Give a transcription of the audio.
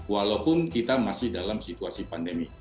walaupun kita masih dalam situasi pandemi